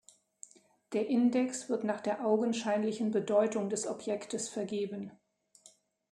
Der Index wird nach der augenscheinlichen Bedeutung des Objektes vergeben.